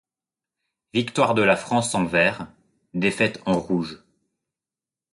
Victoire de la France en vert, défaites en rouges.